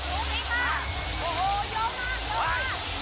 โอ้โฮเยอะมาก